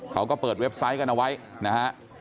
เขาก็เปิดเว็บไซต์กันเอาไว้นะฮะ